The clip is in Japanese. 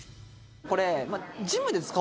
これ。